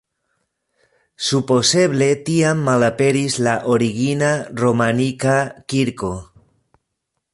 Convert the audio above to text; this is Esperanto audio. Supozeble tiam malaperis la origina romanika kirko.